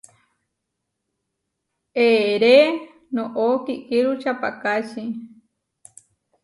Eʼeré noʼó kiʼkíru čapahkáči.